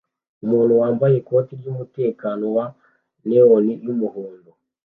Umuntu wambaye ikoti ryumutekano wa neon yumuhondo